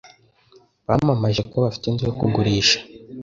Bamamaje ko bafite inzu yo kugurisha.